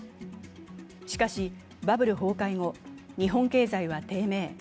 しかしバブル崩壊後、日本経済は低迷。